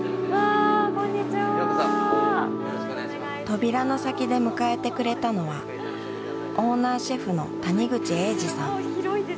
扉の先で迎えてくれたのはオーナーシェフの谷口英司さん。